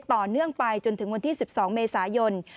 ต่อเนื่องไปจนถึงวันที่๑๒เมษายน